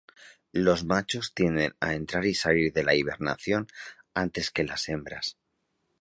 Los machos tienden a entrar y salir de la hibernación antes que las hembras.